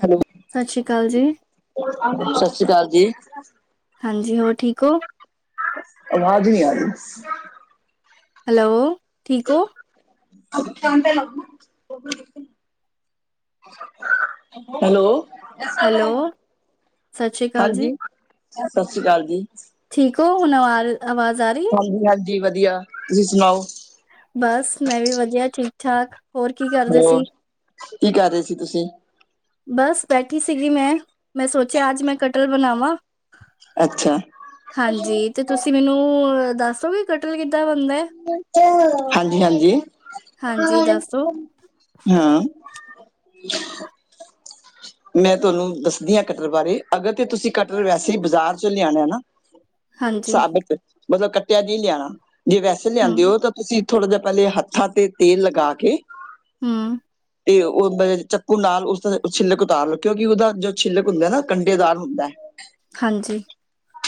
Hello. ਸਤਿ ਸ਼੍ਰੀ ਅਕਾਲ ਜੀ। ਸਤਿ ਸ਼੍ਰੀ ਅਕਾਲ ਜੀ। ਹਾਂਜੀ, ਹੋਰ ਠੀਕ ਓ। ਆਵਾਜ਼ ਨੀ ਆ ਰੀ। ਹੈਲੋ, ਠੀਕ ਓ। [unintelligible] ਹੈਲੋ। ਹੈਲੋ, ਸਤਿ ਸ਼੍ਰੀ ਅਕਾਲ ਜੀ, ਹਾਂਜੀ, ਸਤਿ ਸ਼੍ਰੀ ਅਕਾਲ ਜੀ। ਠੀਕ ਓ, ਹੁਣ ਆ ਆਵਾਜ਼ ਆ ਰੀ। ਹਾਂਜੀ-ਹਾਂਜੀ ਵਧੀਆ, ਤੁਸੀਂ ਸੁਣਾਓ। ਬਸ, ਮੈਂ ਵੀ ਵਦੀਆ ਠੀਕ-ਠਾਕ। ਹੋਰ, ਕੀ ਕਰ ਰਹੇ ਸੀ ਤੁਸੀਂ। ਬਸ ਬੈਠੀ ਸੀਗੀ ਮੈਂ, ਮੈਂ ਸੋਚਿਆ ਅੱਜ ਮੈਂ ਕੱਟਲ ਬਣਾਵਾਂ। ਅੱਛਾ ਹਾਂਜੀ, ਤੇ ਤੁਸੀਂ ਮੈਨੂੰ ਦੱਸੋਗੇ ਕਟਲ ਕਿੱਦਾਂ ਬਣਦਾ ਹੈ? ਹਾਂਜੀ-ਹਾਂਜੀ। ਹਾਂਜੀ ਦੱਸੋ, ਹਾਂ। [inaudible] ਮੈਂ ਤੁਹਾਨੂੰ ਦੱਸਦੀ ਹਾਂ ਕੱਟਲ ਬਾਰੇ ਅਗਰ ਤੇ ਤੁਸੀਂ ਕੱਟਲ ਵੈਸੇ ਹੀ ਬਾਜ਼ਾਰ ਚੋਂ ਲਿਆਣਾ ਏ ਨਾ। ਹਾਂਜੀ, ਸਾਬਿਤ ਮਤਲਬ ਕੱਟਿਆ ਜੀ ਲਿਆਣਾ ਜੇ ਵੈਸੇ ਲਿਆਂਦੇ ਹੂੰ, ਹੋ ਤ ਤੁਸੀਂ ਥੋੜ੍ਹਾ ਜਾ ਪਹਿਲੇ ਹੱਥਾਂ ਤੇ ਤੇਲ ਲਗਾ ਕੇ। ਹੂ। ਤੇ ਉਹ ਚੱਕੂ ਨਾਲ ਉਸਦਾ ਛਿੱਲਕ ਤਾਰ ਲੋ ਕਿਉਂਕਿ ਉਹਦਾ ਜੋ ਛਿੱਲਕ ਹੁੰਦਾ ਏ ਨਾ ਕੰਢੇਦਾਰ ਹੁੰਦਾ ਐ। ਹਾਂਜੀ।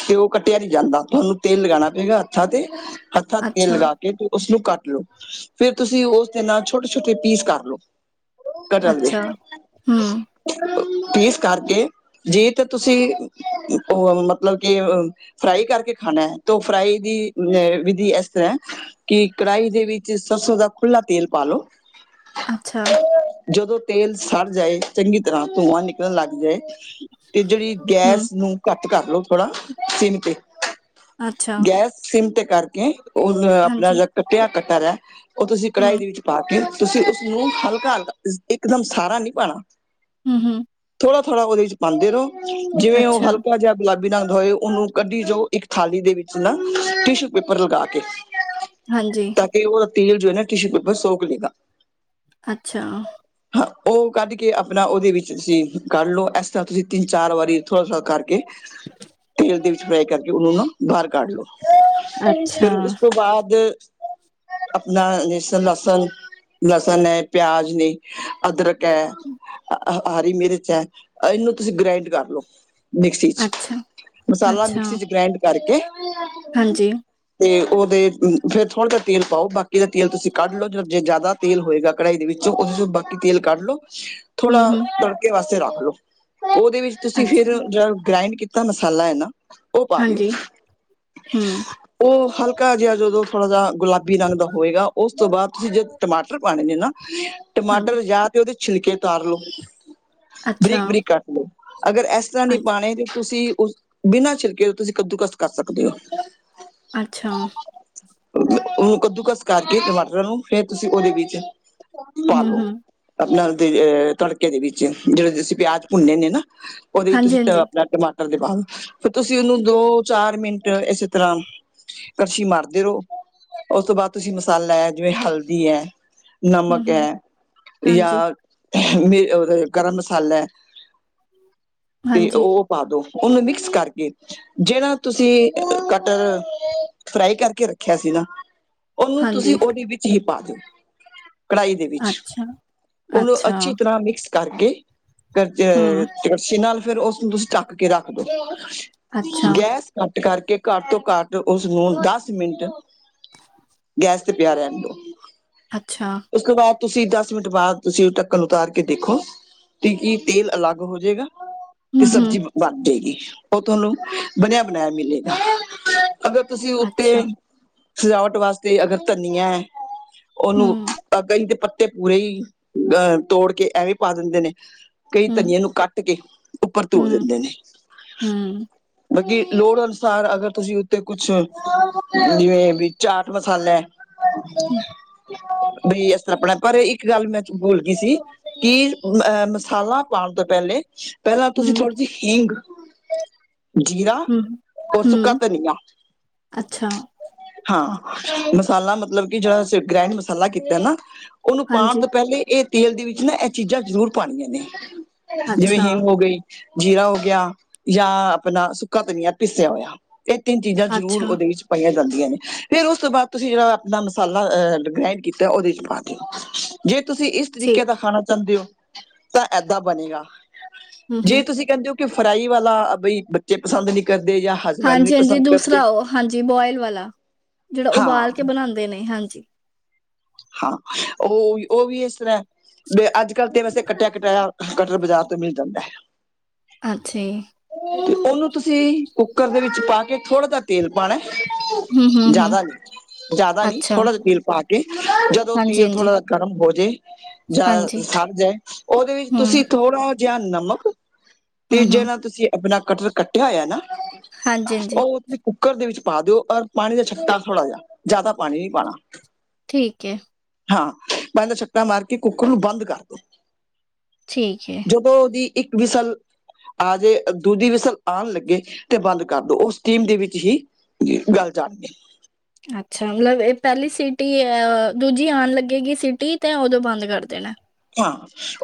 ਤੇ ਉਹ ਕੱਟਿਆ ਨਹੀਂ ਜਾਂਦਾ ਤੁਹਾਨੂੰ ਤੇਲ ਲਗਾਣਾ ਪਏਗਾ ਹੱਥਾਂ ਤੇ, ਹੱਥਾਂ ਤੇ ਤੇਲ ਅੱਛਾ, ਲਗਾ ਤੇ ਉਸਨੂੰ ਕੱਟ ਲੋ ਫੇਰ ਤੁਸੀਂ ਉਸਦੇ ਨਾਲ ਛੋਟੇ-ਛੋਟੇ ਪੀਸ ਕਰ ਲੋ। ਅੱਛਾ, ਹੂ। ਪੀਸ ਕਰਕੇ ਜੇ ਤਾਂ ਤੁਸੀਂ ਉਹ ਮਤਲਬ ਕਿ ਅ ਫਰਾਈ ਕਰਕੇ ਖਾਣਾ ਐ, ਤ ਫਰਾਈ ਦੀ ਅ ਵਿਧੀ ਇਸ ਤਰ੍ਹਾਂ ਕਿ ਕੜਾਹੀ ਦੇ ਵਿੱਚ ਸਰਸੋਂ ਦਾ ਖੁੱਲ੍ਹਾ ਤੇਲ ਪਾਲੋ। ਅੱਛਾ। ਜਦੋਂ ਤੇਲ ਸੜ ਜਾਏ ਚੰਗੀ ਤਰ੍ਹਾਂ ਧੂੰਆਂ ਨਿਕਲਣ ਲੱਗ ਜਾਏ। ਤੇ ਜਿਹੜੀ ਹੂੰ, ਗੈਸ ਨੂੰ ਕੱਟ ਕਰ ਲੋ ਥੋੜਾ ਸਿਮ ਤੇ। ਅੱਛਾ, ਗੈਸ ਸਿੰਮ ਤੇ ਕਰਕੇ ਉਹ ਆਪਣਾ ਹਾਂਜੀ, ਜਿ ਕੱਟਿਆ ਕੱਟਰ ਐ। ਉਹ ਤੁਸੀਂ ਹੂੰ, ਕੜਾਹੀ ਦੇ ਵਿੱਚ ਪਾ ਕੇ ਤੁਸੀਂ ਉਸਨੂੰ ਹਲਕਾ-ਹਲਕਾ ਇਕਦਮ ਸਾਰਾ ਨਹੀਂ ਪਾਣਾ। ਹੁ-ਹੁ। ਥੋੜਾ-ਥੋੜਾ ਉਹਦੇ ਚ ਪਾਂਦੇ ਰਹੋ ਜਿਵੇਂ ਉਹ ਅੱਛਾ, ਹਲਕਾ ਜਿਹਾ। ਗੁਲਾਬੀ ਨਾਲ ਧੋਏ ਉਹਨੂੰ ਕੱਢੀ ਜਾਓ ਇੱਕ ਥਾਲੀ ਦੇ ਵਿੱਚ ਨਾ ਟਿਸ਼ੂ ਪੇਪਰ ਲਗਾ ਕੇ। ਹਾਂਜੀ। ਤੇ ਉਹਦਾ ਤੇਲ ਜੋ ਹੈ ਨਾ ਟਿਸ਼ੂ ਉੱਪਰ ਸੌਕ ਲੇਗਾ। ਅੱਛਾ। ਹਾਂ ਉਹ ਕੱਢ ਕੇ ਅਪਨਾ ਉਹਦੇ ਵਿੱਚ ਤੁਸੀਂ ਕਰ ਲਓ ਏਸ ਤਰ੍ਹਾਂ ਤੁਸੀਂ। ਤਿੰਨ ਚਾਰ ਵਾਰੀ ਥੋੜ੍ਹਾ-ਥੋੜਾ ਕਰਕੇ ਤੇਲ ਦੇ ਵਿੱਚ ਫਰਾਈ ਕਰਕੇ ਉਹਨੂੰ ਨਾ। ਬਾਹਰ ਕੱਢ ਲਓ ਅੱਛਾ, ਫੇਰ ਉਸ ਤੋਂ ਬਾਅਦ ਅਪਨਾ ਨਿਸ਼ਣ ਲਸਨ ਲਸਣ ਹੈ, ਪਿਆਜ ਨੇ, ਅਦਰਕ ਹੈ। ਹ ਹਰੀ ਮਿਰਚ ਚ ਹੈ ਇਹਨੂੰ ਤੁਸੀਂ ਗ੍ਰਾਇੰਡ ਕਰ ਲਓ। ਮਿਕਸੀ ਚ ਅੱਛਾ, ਮਸਾਲਾ ਅੱਛਾ, ਮਿਕਸੀ ਚ ਗ੍ਰਇੰਡ ਕਰਕੇ। ਹਾਂਜੀ। ਤੇ ਉਹਦੇ ਫੇਰ ਥੋੜ੍ਹਾ ਜਿਹਾ ਤੇਲ ਪਾਓ ਬਾਕੀ ਦਾ ਤੇਲ ਤੁਸੀਂ ਕੱਢ ਲਓ ਜ ਜੇ ਜੈਂਦਾ। ਤੇਲ ਹੋਏਗਾ ਕੜਾਈ ਦੇ ਵਿੱਚ ਉਹਦੇ ਚੋ ਬਾਕੀ ਤੇਲ ਕੱਢ ਲਓ। ਹੂੰ, ਥੋੜ੍ਹਾ ਹੂੰ, ਤੜਕੇ ਵਾਸਤੇ ਰੱਖ ਲਓ ਉਹਦੇ ਵਿੱਚ ਤੁਸੀਂ ਅੱਛਾ, ਫਿਰ ਜਿਹੜ। ਗ੍ਰਾਇੰਡ ਕੀਤਾ ਮਸਾਲਾ ਹੈ ਨਾ ਉਹ ਪਾ ਦਿਓ। ਹਾਂਜੀ, ਹੂੰ, ਉਹ ਹਲਕਾ ਜਿਹਾ ਜਦੋਂ ਥੋੜਾ ਜਿਹਾ ਗੁਲਾਬੀ ਰੰਗ ਦਾ ਹੋਏਗਾ ਉਸ। ਉਸ ਤੋਂ ਬਾਅਦ ਤੁਸੀਂ ਜਦ ਟਮਾਟਰ ਪਾਣੇ ਨੇ ਨਾ ਹਾਂਜੀ, ਟਮਾਟਰ ਯਾ ਤੇ ਉਹਦੇ ਛਿਲਕੇ ਤਾਰ ਲੋੋ। ਅੱਛਾ, ਬਰੀਕ-ਬਰੀਕ ਕੱਟ ਲਓ ਅਗਰ ਏਸ ਤਰ੍ਹਾਂ ਨਹੀਂ ਹਾਂਜੀ, ਪਾਣੇ ਤੇ ਤੁਸੀਂ ਉਸ ਬਿਨਾਂ ਛਿਲਕੇ ਤੋਂ ਤੁਸੀਂ ਕੱਦੂਕਸ ਕਰ ਸਕਦੇ ਹੋ। ਅੱਛਾ। ਉਹਨੂੰ ਕੱਦੂਕਸ ਕਰਕੇ ਟਮਾਟਰਾਂ ਨੂੰ ਫੇਰ ਤੁਸੀਂ ਉਹਦੇ ਵਿੱਚ। ਪਾ ਹੂੰ, ਲੋ ਹੂੰ, ਅਪਨਾ। ਤੇਹ ਤੜਕੇ ਦੇ ਵਿੱਚ ਜਿਹੜੇ ਤੁਸੀਂ ਪਿਆਜ ਭੁੰਨੇ ਨੇ ਨਾ ਉਹਦੇ ਵਿੱਚ ਹਾਂਜੀ, ਤੁਸੀਂ ਤ ਹਾਂਜੀ, ਅਪਨਾ ਟਮਾ। ਦੇ ਬਾਅਦ ਫੇਰ ਤੁਸੀਂ ਉਹਨੂੰ ਦੋ ਚਾਰ ਮਿੰਟ ਇਸੇ ਤਰ੍ਹਾਂ ਕੜਛੀ ਮਾਰਦੇ ਰਹੋ ਉਸ ਤੋਂ ਬਾਅਦ ਤੁਸੀਂ ਮਸਾਲਾ ਏ ਜਿਵੇਂ ਹਲਦੀ ਹੈ। ਹੂੰ, ਨਮਕ ਹੈ ਹੂੰ, ਯਾ ਹਾਂਜੀ, ਉਹ ਗਰਮ ਮਸਾਲਾ ਤੇ ਹਾਂਜੀ, ਉਹ ਪਾ ਦੋ ਉਹਨੂੰ ਮਿਕਸ ਕਰਕੇ ਜਿਹੜਾ ਤੁਸੀਂ ਕਟਹਲ ਫਰਾਈ ਕਰਕੇ ਰੱਖਿਆ ਸੀ ਨਾ ਉਹਨੂੰ ਤੁਸੀਂ ਹਾਂਜੀ, ਉਹਦੇ ਵਿੱਚ ਹੀ ਪਾ ਦਿਓ ਕੜਾਹੀ ਦੇ ਵਿੱਚ ਅੱਛਾ, ਉਹਨੂੰ ਅੱਛਾ, ਅੱਛੀ ਤਰ੍ਹਾਂ ਮਿਕਸ ਕਰਕੇ ਕੜ ਹੂੰ, ਕੜਛੀ ਨਾਲ ਫੇਰ ਉਸਨੂੰ ਤੁਸੀਂ ਢਕ ਕੇ ਰੱਖ ਦੋ ਅੱਛਾ, ਗੈਸ ਘੱਟ ਕਰਕੇ ਘੱਟ ਤੋਂ ਘੱਟ ਉਸਨੂੰ ਦਸ ਮਿੰਟ ਗੈਸ ਤੇ ਪਿਆ ਰਹਨ ਦੋ ਤੇ ਅੱਛਾ। ਉਸ ਤੋਂ ਬਾਅਦ ਤੁਸੀਂ ਦਸ ਮਿੰਟ ਬਾਅਦ ੳਸ ਤੁਸੀਂ ਉਹ ਢੱਕਣ ਉਤਾਰ ਕੇ ਦੇਖੋ ਤੇ ਕੀ ਤੇਲ ਅਲੱਗ ਹੋ ਜੇਏਗਾ ਹੂੰ, ਤੇ ਹੂੰ, ਸਬਜ਼ੀ ਬਨ ਜਾਏਗੀ ਉਹ ਤੁਹਾਨੂੰ ਬਨਿਆ ਬਨਾਇਆ ਮਿਲੇਗਾ। ਅਗਰ ਤੁਸੀਂ ਅੱਛਾ, ਉੱਤੇ ਸਜਾਵਟ ਵਾਸਤੇ ਅਗਰ ਧਨੀਆ ਏ ਉਹਨੂੰ ਹੂੰ, ਅ ਗਈ ਦੇ ਪੱਤੇ ਪੂਰੇ ਹੀ ਅਹ ਤੋੜ ਕੇ ਐਵੇਂ ਪਾ ਦਿੰਦੇ ਨੇ ਕਈ ਹੂੰ, ਧਨੀਏ ਨੂੰ ਕੱਟ ਕੇ ਉੱਪਰ ਥੁੜ ਹੂੰ, ਦਿੰਦੇ ਨੇ। ਹੂੰ ਬਾਕੀ ਲੋੜ ਅਨੁਸਾਰ ਅਗਰ ਤੁਸੀਂ ਉੱਤੇ ਕੁਛ, ਜੀਵੇਂ ਵੀ ਚਾਟ ਮਸਾਲੈ ਹੂੰ, ਬੀ ਅਸ ਅਪਣਾ ਪਰ ਈਕ ਗੱਲ ਮੈਂ ਬੁਲ ਗਈ ਸੀ ਕੀ ਅ ਮਸਾਲਾ ਪਾਣ ਤੋਂ ਪੈਲੇ ਪੈਲਾਂ ਤੁਸੀਂ ਹੂੰ, ਥੋੜੀ ਜੀ ਹੀਗ ਜੀਰਾ, ਹੂੰ, ਔਰ ਸੁੱਕਾ ਹੂੰ, ਧਨੀਆ ਅੱਛਾ, ਹਾਂ, ਮਸਾਲਾ ਮਤਲਬ ਕੀ ਜੇੜਾ ਅਸੀਂ ਗ੍ਰੈਂਡ ਮਸਾਲਾ ਕੀਤਾ ਨਾ ਓਨੂੰ ਪਾਣ ਹਾਂਜੀ, ਤੋਂ ਪੈਲੇ ਏ ਤੇਲ ਦੇ ਵਿੱਚ ਨਾ ਐ ਚੀਜ਼ਾਂ ਜ਼ਰੂਰ ਪਾਣੀਆਂ ਨੇ, ਜਿਵੇਂ ਅੱਛਾ, ਹਿੰਗ ਹੋ ਗਈ ਜੀਰਾ ਹੋ ਗੇਆ ਜਾਂ ਆਪਣਾ ਸੁੱਕਾ ਧਨੀਆ ਪੀਸੇਆ ਹੋਏਆ ਏ ਤੇਨ ਚੀਜ਼ਾਂ ਜ਼ਰੂਰ ਅੱਛਾ, ਓਦੇ ਵੀਚ ਪਾਈਆਂ ਜਾਂਦੀਆਂ ਨੇ ਫੇਰ ਓਸ ਤੋਂ ਬਾਦ ਤੁਸੀਂ ਜੇੜਾ ਆਪਣਾ ਮਸਾਲਾ ਅਐ ਗ੍ਰਾਇਡ ਕੀਤਾ ਓਦੇ ਚ ਪਾ ਦਿਓ ਜੇ ਤੁਸੀਂ ਏਸ ਤਰੀਕੇ ਠੀਕ, ਦਾ ਖਾਣਾ ਚਾਂਦੇ ਓ ਤਾਂ ਏਦਾਂ ਬਣੇਗਾ ਹੂੰ, ਹੂੰ ਜੇ ਤੁਸੀਂ ਕੈਂਦੇ ਓ ਕੇ ਫਰਾਈ ਵਾਲਾ ਬਈ ਬੱਚੇ ਪਸੰਦ ਨੀ ਕਰਦੇ ਜਾਂ ਹਸਬੈਂਡ ਨਹੀਂ ਹਾਂਜੀ-ਹਾਂਜੀ ਪਸੰਦ ਦੂਸਰਾ ਕਰਦੇ ਓ ਹਾਂਜੀ ਬੋਇਲ ਵਾਲਾ ਜੇੜਾ ਹਾਂ ਉਬਾਲ ਕੇ ਬਣਾਦੇ ਨੇ ਹਾਂਜੀ। ਹਾਂ ਓ ਓਵੀ ਏਸ ਤਰ੍ਹਾਂ ਐ ਅੱਜ ਕਲ ਤੇ ਵੈਸੇ ਕੱਟੇਆ ਕਟਾਏਆ ਕਟਰ ਬਾਜ਼ਾਰ ਤੋਂ ਮੇਲ ਜਾਂਦਾ ਐ ਅੱਛਾ ਜੀ ਤੇ ਓਨੂੰ ਤੁਸੀਂ ਕੁੱਕਰ ਦੇ ਵਿੱਚ ਪਾ ਕੇ ਥੋੜਾ ਜਾ ਤੇਲ ਪਾਣਾ ਐ, ਹਮ ਹਮ ਹਮ ਜਾਦਾ ਨੀ ਜਾਦਾ ਨੀ ਅੱਛਾ ਥੋੜ੍ਹਾ ਜਾ ਤੀਲ ਪਾ ਕੇ ਜਦੋਂ ਹਾਂਜੀ ਤੇਲ ਹਾਂਜੀ ਥੋੜਾ ਗਰਮ ਹੋ ਜੇ ਜਾ ਹਾਂਜੀ ਸੜ ਜਾਏ ਓਦੇ ਵੇਚ ਹਮ ਤੁਸੀਂ ਥੋੜਾ ਜਾਂ ਨਮਕ ਹਮ ਤੇ ਹਮ ਜੇੜਾ ਤੁਸੀਂ ਅਪਣਾ ਕਟਰ ਕੱਟੇਆ ਹੋਏਆ ਨਾ ਹਾਂਜੀ ਹਾਂਜੀ ਓ ਥੇ ਕੁੱਕਰ ਦੇ ਵੀਚ ਪਾ ਦੋ ਔਰ ਪਾਣੀ ਦਾ ਛੱਟਾ ਥੋੜਾ ਜ, ਜਾਦਾ ਪਾਣੀ ਨੀ ਪਾਣਾ। ਠੀਕ ਏ। ਹਾਂ ਪਾਨੀ ਦਾ ਛਟਾ ਮਾਰ ਕੇ ਕੁੱਕਰ ਨੂੰ ਬੰਦ ਕਰ ਦੋ ਠੀਕ ਏ। ਜਦੋਂ ਓਦੀ ਈਕ ਵੀਸ਼ਲ ਆਜੇ ਦੂਜੀ ਵਿਸਲ ਆਣ ਲੱਗੇ ਤੇ ਬੰਦ ਕਰਦੋ ਓ ਸਟੀਮ ਦੇ ਵੀਚ ਹੀ ਗਲ ਜਾਣਗੇ। ਅੱਛਾ ਮਲਬ ਏ ਪੈਲੀ ਸੀਟੀ ਦੂਜੀ ਆਣ ਲੱਗੇਗੀ ਸੀਟੀ ਤੇ ਓਦੋਂ ਬੰਦ ਕਰ ਦੇਣਾਐ। ਹਾਂ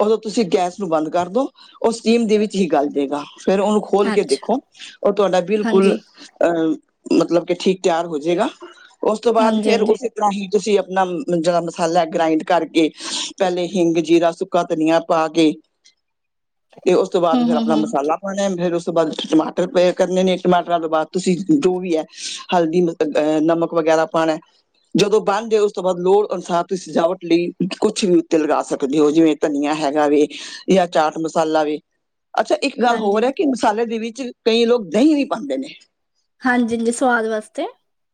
ਓਦੋਂ ਤੁਸੀਂ ਗੈਸ ਨੂੰ ਬੰਦ ਕਰਦੋ ਓ ਸਟੀਮ ਦੇ ਵੀਚ ਹੀ ਗੱਲ ਜੇਗਾ ਫੇਰ ਓਨੂੰ ਖੋਲ ਕੇ ਅੱਛਾ ਦੇਖੋ ਤੁਆਡਾ ਬਿਲਕੁਲ ਹਾਂਜੀ ਅਐ ਮਤਲਬ ਕੇ ਠੀਕ ਤੇਆਰ ਹੋ ਜੇਗਾ ਓਸ ਤੋਂ ਬਾਦ ਹਾਂਜੀ ਫੇਰ ਹਾਂਜੀ ਓਸੇ ਤਾਹੀਂ ਤੁਸੀਂ ਆਪਣਾ ਜੇੜਾ ਮਸਾਲਾ ਐ ਗਾਰਾਈਡ ਕਰਕੇ ਪੈਲੇ ਹਿੰਗ ਜੀਰਾ ਸੁੱਕਾ ਧਨੀਆ ਪਾ ਕੇ, ਤੇ ਓਸ ਤੋਂ ਬਾਦ ਹਮ ਫੇਰ ਹਮ ਅਪਣਾ ਹਮ ਮਸਾਲਾ ਪਾਣਾ ਫੇਰ ਓਸ ਤੋਂ ਬਾਦ ਤੁਸੀਂ ਟਮਾਟਰ ਪਏ ਕਰਨੇ ਨੇ ਟਮਾਟਰਾਂ ਤੋਂ ਬਾਦ ਤੁਸੀਂ ਜੋ ਵੀ ਐ ਹਲਦੀ ਮ ਐ ਨਮਕ ਵਗੈਰਾ ਪਾਣੈ ਜਦੋਂ ਬਨ ਡੇ ਓਸ ਤੋਂ ਬਾਦ ਲੋੜ ਅਨੁਸਾਰ ਦੀ ਸਜਾਵਟ ਲੀ ਕੁਛ ਵੀ ਤੇ ਲਗਾ ਸਕਦੇ ਹੋ ਜੇਵੇਂ ਧਨੀਆ ਹੈਗਾ ਵੇ ਜਾਂ ਚਾਟ ਮਸਾਲਾ ਵੇ, ਅੱਛਾ ਈਕ ਗੱਲ ਹਾਂਜੀ ਹੋਰ ਐ ਕੇ ਮਸਾਲੇ ਦੇ ਵਿੱਚ ਕਈ ਲੋਕ ਦਈ ਵੀ ਪਾਦੇ ਨੇ। ਹਾਂਜੀ ਜੀ ਸਵਾਦ ਵਾਸਤੇ।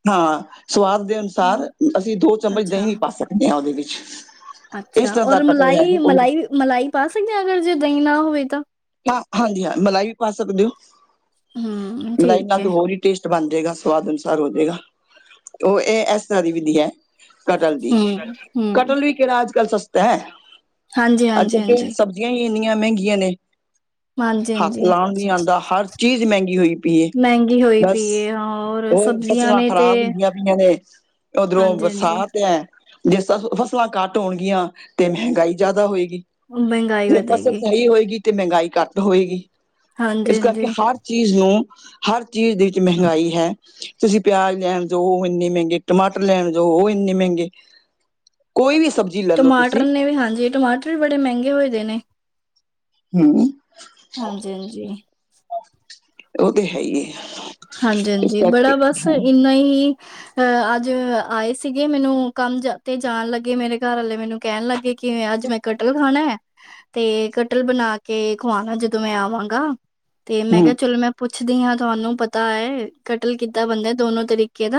ਹਾਂ ਸਵਾਦ ਦੇ ਅਨੁਸਾਰ ਹਾਂ, ਅਸੀਂ ਦੋ ਚਮਚ ਦਈ ਅੱਛਾ ਵੀ ਪਾ ਸਕਦੇ ਆਂ ਦੇ ਵੀਚ ਅੱਛਾ ਔਰ ਮਲਾਈ-ਮਲਾਈ-ਮਲਾਈ ਪਾ ਸਕਦੇ ਆਂ ਅਗਰ ਜੇ ਦਈ ਨਾ ਹੋਵੇ ਤਾਂ? ਹਾਂ ਹਾਂਜੀ ਹਾਂ ਮਲਾਈ ਵੀ ਪਾ ਸਕਦੇ ਓ, ਹੂੰ ਮਲਾਈ ਠੀਕ ਨਾਲ ਹੈ ਤੇ ਹੋਰ ਈ ਟੇਸਟ ਬਣ ਜੇਗਾ ਸਵਾਦ ਅਨੁਸਾਰ ਹੋ ਜੇਗਾ ਓ ਏ ਐਸ ਤਰਾ ਦੀ ਵਿਧੀ ਐ। ਕਤਲ ਦੀ, ਹੂੰ ਹੂੰ ਕਤਲ ਵੀ ਕਿਹੜਾ ਅੱਜ-ਕੱਲ੍ਹ ਸਸਤਾ ਹੈ। ਹਾਂਜੀ ਹਾਂਜੀ ਹਾਂਜੀ ਅੱਜ-ਕੱਲ ਤੇ ਸਬਜ਼ੀਆਂ ਹੀ ਇੰਨੀਆਂ ਮਹਿੰਗੀਆਂ ਨੇ ਹਾਂਜੀ ਹੱਥ ਹਾਂਜੀ ਲਾਉਣ ਨੀ ਆਉਂਦਾ। ਹਰ ਚੀਜ਼ ਮਹਿੰਗੀ ਹੋਈ ਪੀਏ। ਮਹਿੰਗੀ ਹੋਈ ਬਸ ਪਈ ਹਾਂ ਔਰ ਹੋਰ ਸਬਜ਼ੀਆਂ ਫਸਲਾਂ ਨੇ ਤੇ ਖ਼ਰਾਬ ਹੁੰਦੀਆਂ ਪਈਆਂ ਨੇ ਉਓਧਰੋਂ ਹਾਂਜੀ ਹਾਂਜੀ ਬਰਸਾਤ ਹੈ। ਜੇ ਫਸਲਾਂ ਘੱਟ ਹੋਣਗੀਆਂ ਤੇ ਮਹਿੰਗਾਈ ਜ਼ਿਆਦਾ ਹੋਏਗੀ। ਮਹਿੰਗਾਈ ਤੇ ਫਸਲ ਵਧੇਗੀ ਸਹੀ ਹੋਏਗੀ ਤੇ ਮਹਿੰਗਾਈ ਘੱਟ ਹੋਏਗੀ। ਇਸ ਹਾਂਜੀ ਕਰਕੇ ਹਾਂਜੀ ਹਰ ਚੀਜ਼ ਨੂੰ ਹਰ ਚੀਜ਼ ਦੇ ਵਿੱਚ ਮਹਿੰਗਾਈ ਹੈ। ਤੁਸੀਂ ਪਿਆਜ ਲੈਣ ਜਾਓ, ਉਹ ਇੰਨੇ ਮਹਿੰਗੇ। ਟਮਾਟਰ ਲੈਣ ਜਾਓ, ਉਹ ਇੰਨੇ ਮਹਿੰਗੇ। ਕੋਈ ਵੀ ਸਬਜ਼ੀ ਲੈ ਲਓ ਟਮਾਟਰ ਤੁਸੀਂ ਨੇ ਵੀ ਹਾਂਜੀ, ਟਮਾਟਰ ਵੀ ਬੜੇ ਮਹਿੰਗੇ ਹੋਏ ਦੇ ਨੇ ਹਮ ਹਾਂਜੀ, ਹਾਂਜੀ। ਉਹ ਤੇ ਹੈ ਹੀ ਹਾਂਜੀ, ਇਸ ਹਾਂਜੀ। ਕਰਕੇ ਬੜਾ ਬਸ ਇੰਨਾ ਹੀ ਅ ਅੱਜ ਆਏ ਸੀਗੇ। ਮੈਨੂੰ ਕੰਮ ਤੇ ਜਾਣ ਲੱਗੇ, ਮੇਰੇ ਘਰ ਵਾਲੇ ਮੈਨੂੰ ਕਹਿਣ ਲੱਗਗੇਏ ਕਿ ਅੱਜ ਮੈਂ ਕਟਲ ਖਾਣਾ ਤੇ ਕਟਲ ਬਣਾ ਕੇ ਖਵਾਣਾ ਜਦੋਂ ਮੈਂ ਆਵਾਂਗਾ। ਤੇ ਮੈਂ ਹਮ ਕਿਹਾ-ਚਲੋ, ਮੈਂ ਪੁੱਛਦੀ ਹਾਂ। ਤੁਹਾਨੂੰ ਪਤਾ ਕੀਤਾ ਹੈ। ਕਤਲ ਕੀਤਾ ਬੰਦਾ ਦੋਨੋ ਤਰੀਕੇ ਦਾ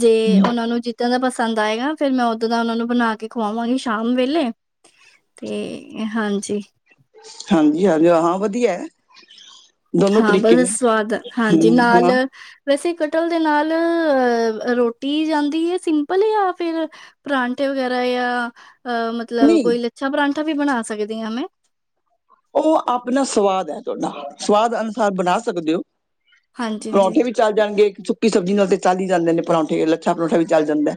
ਜੇ ਉਹਨਾਂ ਨੂੰ ਇੱਦਾਂ ਦਾ ਪਸਦ ਆਏਗਾ, ਫਿਰ ਮੈਂ ਉੱਦਾਂ ਦਾ ਉਹਨਾਂ ਨੂੰ ਬਣਾ ਕੇ ਖਵਾਵਾਂਗੀ ਸ਼ਾਮ ਵੇਲੇ ਅਤੇ ਹਾਂਜੀ। ਹਾਂਜੀ, ਹਾਂਜੀਾਂ ਵਧੀਆ ਦੋਨੋ ਹਾਂ, ਤਰੀਕੇ ਬਸ ਨੇ ਸਵਾਦ ਹੈ। ਹਾਂਜੀ ਹਮ ਨਾਲ ਹਾਂ ਵੈਸੇ-ਕਟਲ ਦੇ ਨਾਲ ਰੋਟੀ ਜਾਂਦੀ ਹੈ ਸਿੰਪਲ ਜਾਂ ਫਿਰ ਪਰਾਂਠੇ ਵਗੈਰਾ ਜਾਂ ਅ ਮਤਲਬ ਨਹੀਂ ਕੋਈ ਲੱਛਾ ਪਰਾਂਠਾ ਵੀ ਬਣਾ ਸਕਦੀ ਹਾਂ ਮੈਂ ਉਹ ਆਪਣਾ ਸਵਾਦ ਹੈ‌ ਤੁਹਾਡਾ, ਸਵਾਦ ਅਨੁਸਾਰ ਬਣਾ ਸਕਦੇ ਹੋ। ਹਾਂਜੀ ਹਾਂਜੀ ਪਰੌਂਠੇ ਵੀ ਚੱਲ ਜਾਣਗੇ। ਸੁੱਕੀ ਸਬਜ਼ੀ ਨਾਲ ਤੇ ਚੱਲ ਹੀ ਜਾਂਦੇ ਨੇ ਪਰੌਂਠੇ, ਲੱਛਾ ਪਰੌਂਠਾ ਵੀ ਚੱਲ ਜਾਂਦਾ ਹੈ।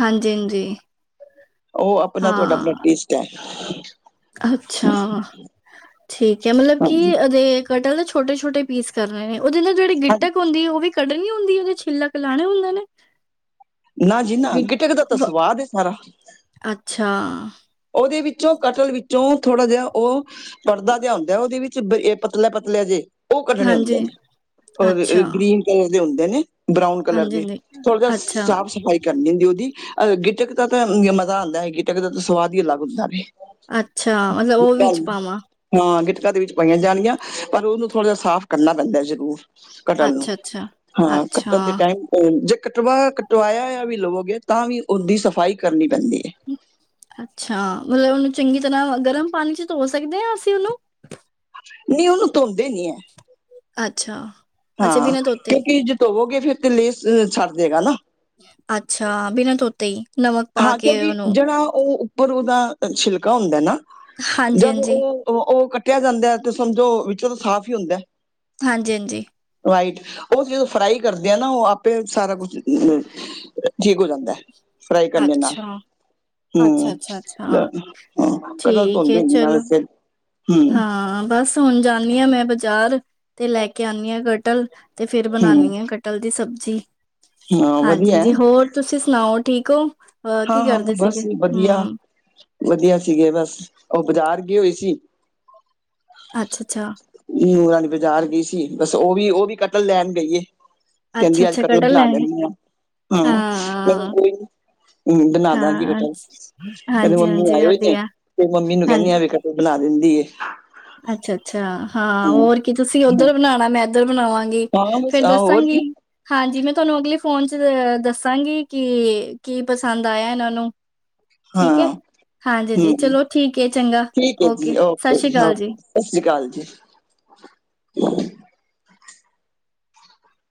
ਹਾਂਜੀ, ਹਾਂਜੀ। ਉਹ ਆਪਣਾ ਤੁਹਾਡਾ ਆਪਣਾ ਹਾਂ ਟੇਸਟ ਹੈ। ਅੱਛਾ, ਠੀਕ ਹੈ। ਮਤਲਬ ਕਿ ਹਾਂਜੀ ਅਦੇ ਕਟਕ ਦੇ ਛੋਟੇ-ਛੋਟੇ ਪੀਸ ਕਰਨੇ ਨੇ ਉਹਦੇ ਨਾਲ ਜਿਹੜੀ ਹਾਂ ਗਿੱਟਕ ਹੁੰਦੀ ਉਹ ਵੀ ਕੱਢਣੀ ਹੁੰਦੀ ਹੈ ਜਾਂ ਛਿੱਲਕ ਲਾਣੇ ਹੁੰਦੇ ਨੇ। ਨਾ ਜੀ ਨਾ ਗਿ ਗਿਟਕ ਦਾ ਤਾਂ ਵ ਸਵਾਦ ਸਾਰਾ। ਅੱਛਾ ਉਹਦੇ ਵਿੱਚੋਂ ਕਟਲ ਵਿੱਚੋਂ ਥੋੜ੍ਹਾ ਜਿਹਾ ਉਹ ਪੜ੍ਹਦਾ ਜਿਹਾ ਹੁੰਦਾ। ਉਹਦੇ ਵਿੱਚ ਪਤਲੇ-ਪਤਲੇ ਜੇ ਉਹ ਕੱਢਣੇ ਹਾਂਜੀ ਹੁੰਦੇ ਨੇ ਅੱਛਾ ਗੀਨ ਕਲਰ ਦੇ ਹੁੰਦੇ ਨੇ ਬਰਾਊਨ ਕਲਰ ਹਾਂਜੀ ਦੇ ਹਾਂਜੀ ਥੋੜ੍ਹਾ ਜਿਹਾ ਅੱਛਾ ਸਾਫ਼-ਸਫ਼ਾਈ ਕਰਨੀ ਹੁੰਦੀ‌ਉਹਦੀ ਅਹ ਗਿਟਕ ਤਾਂ ਮਜ਼ਾ ਆਉਂਦਾ ਹੈ। ਗਿੱਟਕ ਦਾ ਤਾਂ ਸਵਾਦ ਹੀ ਅਲੱਗ ਹੁੰਦਾ ਹੇ। ਅੱਛਾ, ਮਤਲਬ ਉਹ ਵਿੱਚ ਪਾਵਾਂ ਹਾਂ, ਗਿਟਕਾ ਦੇ ਵਿੱਚ ਪਾਈਆਂ ਜਾਣਗੀਆਂ ਪਰ ਉਹਨੂੰ ਥੋੜ੍ਹਾ ਜਿਹਾ ਸਾਫ਼ ਕਰਨਾ ਪੈਂਦਾ ਜ਼ਰੂਰ। ਕਟਣ ਨੂੰ ਅੱਛਾ ਅੱਛਾ ਹਾਂ ਕੱਟਣ ਦੇ ਅੱਛਾ ਟਾਈਮ ਜੇ ਕਟਵਾ ਕਟਵਾਇਆਆ ਵੀ ਲਵੋਗੇ ਤਾਂ ਵੀ ਉਹਦੀ ਸਫਾਈ ਕਰਨੀ ਪੈਂਦੀ ਹੈ। ਅੱਛਾ, ਮਤਲਬ ਉਹਨੂੰ ਚੰਗੀ ਤਰ੍ਹਾਂ ਗਰਮ ਪਾਣੀ ਚ ਧੋ ਸਕਦੇ ਹਾਂ। ਅਸੀਂ ਉਹਨੂੰ ਨਹੀਂ, ਉਹਨੂੰ ਧੋਂਦੇ ਨੀ ਹੈ। ਅੱਛਾ। ਅੱਛਾ ਹਾਂ, ਬਿਨਾਂ ਧੋਤੇ ਹੀ ਕਿਉਂਕਿ ਜੇ ਧੋਵੋਗੇ ਫੇਰ ਤੇ ਲੇਸ ਛੱਡ ਦੇਗਾ ਨਾ। ਅੱਛਾ। ਬਿਨਾਂ ਧੋਤੇ ਹੀ ਨਮਕ ਪਾ ਹਾਂ। ਕੇ ਕਿਉਂਕਿ ਉਹਨੂੰ ਜਿਹੜਾ ਉਹ ਉੱਪਰ ਉਹਦਾ ਛਿਲਕਾ ਹੁੰਦਾ ਹੈ ਨਾ, ਹਾਂਜੀ ਜਦ ਹਾਂਜੀ ਉਹ ਉਹ ਕੱਟਿਆ ਜਾਂਦਾ ਤੇ ਸਮਝੋ ਵਿੱਚੋਂ ਤਾਂ ਸਾਫ਼ ਹੀ ਹੁੰਦਾ। ਹਾਂਜੀ- ਹਾਂਜੀ। ਵਾਈਟ ਉਹ ਜਦੋਂ ਫਰਾਈ ਕਰਦੇ ਆ ਨਾ, ਉਹ ਆਪੇ ਸਾਰਾ ਕੁਛ ਠੀਕ ਹੋ ਜਾਂਦਾ ਹੈ। ਫਰਾਈ ਕਰਨ ਦੇ ਨਾਲ ਅੱਛਾ ਹਮ ਅੱਛਾ ਅੱਛਾ ਅੱਛਾ ਹਾਂ। ਪਹਿਲਾਂ ਠੀਕ ਧੋਂਦੀ ਏ ਰਹੀ ਆ ਚਲੋ ਵੈਸੇ। ਹਮ ਹਾਂ। ਬਸ ਹੁਣ ਜਾਂਦੀ ਹਾ ਮੈਂ ਬਾਜ਼ਾਰ, ਤੇ ਲੈ ਕੇ ਆਉਦੀ ਹਾਂ ਕਟਲ ਤੇ ਫੇਰ ਹਮ ਬਣਾਉਣੀ ਹ ਕਟਲ ਦੀ ਸਬਜ਼ੀ। ਹਾਂ ਹਾਂਜੀ ਵਧੀਆ ਹੈ ਜੀ ਹੋਰ ਤੁਸੀਂ ਸੁਣਾਓ ਠੀਕ ਹੋ? ਕੀ ਹਾਂ ਹਾਂ, ਕਰਦੇ ਬਸ ਸੀਗੇ ਵਧੀਆ। ਹਮ ਵਧੀਆ ਸੀਗੇ ਬਸ, ਓਹ ਬਜ਼ਾਰ ਗਏ ਹੋਏ ਸੀ। ਅੱਛਾ-ਅੱਛਾ। ਨੂੰਹ ਰਾਣੀ ਬਾਜ਼ਾਰ ਗਈ ਸੀ ਬਸ‌। ਉਹ ਵੀ- ਉਹ ਵੀ ਕਟਲ ਲੈਣ ਗਈ ਐ। ਅੱਛਾ ਕਹਿੰਦੀ ਅੱਜ ਅੱਛਾ ਕਟਲ ਬਣਾ ਲੈਣੇ ਲੈਂਦੀ ਹਾਂ। ਮੈ ਕਿਹਾ ਹਾਂ ਕੋਈ ਨੀ ਬਣਾ ਦਾਂਗੀ ਹਾਂ ਕਟਲ। ਕਹਿੰਦੇ ਹਾਂਜੀ ਮੰਮੀ ਹਾਂਜੀ ਆਏ ਹੋਈ ਨੇ ਵਧੀਆ ਤੇ ਮੰਮੀ ਨੂੰ ਕਹਿੰਦੀ ਆ ਹਾਂਜੀ ਵੀ ਬਣਾ ਦਿੰਦੀ ਐ। ਅੱਛਾ- ਅੱਛਾ ਹਾਂ ਹੋਰ ਕੀ। ਤੁਸੀਂ ਹੂੰ, ਉੱਧਰ ਬਣਾਉਣਾ, ਮੈਂ ਇੱਧਰ ਬਣਾਵਾਂਗੀ। ਹਾਂ ਬਸ ਫੇਰ ਆ ਹੋਰ ਦੱਸਾਂਗੀ ਕੀ ਹਾਂਜੀ ਮੈਂ ਤੁਹਾਨੂੰ ਅਗਲੇ ਫੋਨ ਚ ਅ ਦੱਸਾਂਗੀ ਕਿ ਕੀ ਪਸੰਦ ਆਇਆ ਇਹਨਾਂ ਨੂੰ। ਠੀਕ ਹੈ। ਹਾਂ ਹਾਂਜੀ ਜੀ। ਹੂੰ ਚਲੋ ਠੀਕ ਹੈ ਚੰਗਾ ਠੀਕ ਹੈ ਓਕੇ। ਜੀ ਸਤਿ ਸ੍ਰੀ ਅਕਾਲ ਜੀ। ਓਕੇ ਸਤਿ ਸ੍ਰੀ ਅਕਾਲ ਜੀ।